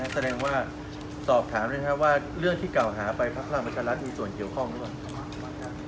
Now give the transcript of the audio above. แสดงว่าสอบถามได้ไหมครับว่าเรื่องที่เก่าหาไปพักพลังประชารัฐมีส่วนเกี่ยวข้องหรือเปล่า